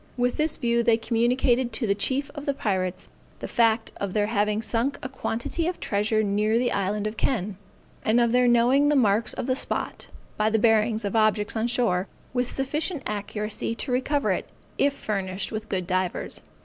With this view they communicated to the chief of the pirates the fact of their having sunk a quantity of treasure near the island of Kenn, and of their knowing the marks of the spot, by the bearings of objects on shore, with sufficient accuracy to recover it, if furnished with good divers.